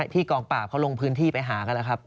กองปราบเขาลงพื้นที่ไปหากันแล้วครับ